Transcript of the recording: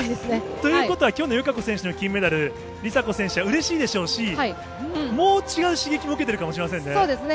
ということは、きょうの友香子選手の金メダル、梨紗子選手はうれしいでしょうし、もう違う刺激を受けてるかもしれないですね。